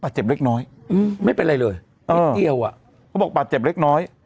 ปลาเจ็บเล็กน้อยอืมไม่เป็นไรเลยเอ่อเกลี้ยวอ่ะก็บอกปลาเจ็บเล็กน้อย